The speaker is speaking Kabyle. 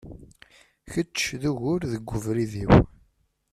Kečč, d ugur deg ubrid-iw!